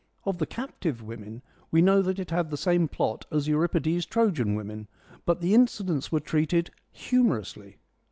Of the Captive Women we know that it had the same plot as Euripides' Trojan Women, but the incidents were treated — humorously.